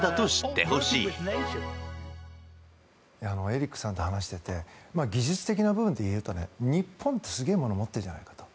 エリックさんと話していて技術的な部分で言うと日本ってすごいものを持ってるじゃないかと。